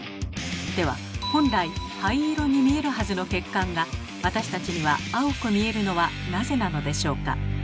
では本来灰色に見えるはずの血管が私たちには青く見えるのはなぜなのでしょうか？